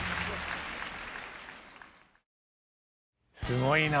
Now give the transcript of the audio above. すごいな。